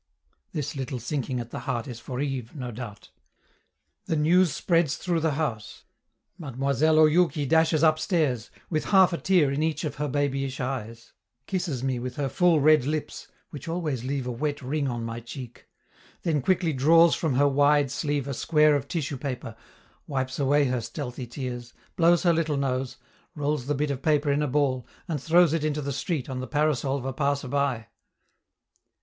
This little sinking at the heart is for Yves, no doubt! The news spreads through the house. Mademoiselle Oyouki dashes upstairs, with half a tear in each of her babyish eyes; kisses me with her full red lips, which always leave a wet ring on my cheek; then quickly draws from her wide sleeve a square of tissue paper, wipes away her stealthy tears, blows her little nose, rolls the bit of paper in a ball, and throws it into the street on the parasol of a passer by.